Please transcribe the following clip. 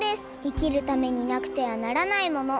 いきるためになくてはならないもの。